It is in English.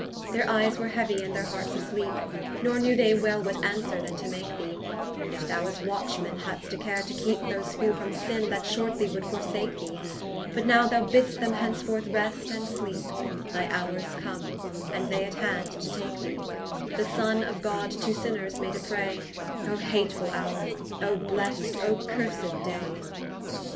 Their eyes were heavie, and their hearts asleepe, Nor knew they well what answere then to make thee; Yet thou as Watchman, had'st a care to keepe Those few from sinne, that shortly would forsake thee; But now thou bidst them henceforth Rest and Sleepe, Thy houre is come, and they at hand to take thee: The Sonne of God to Sinners made a pray, Oh hatefull houre! oh blest! oh cursed day!